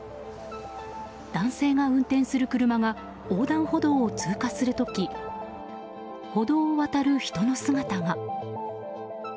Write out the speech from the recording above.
男性が運転する車が横断歩道を通過する時歩道を渡る人の姿が。